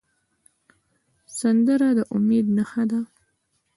سندره د امید نښه ده